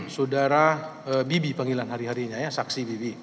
saudara bibi panggilan hari harinya ya saksi bibi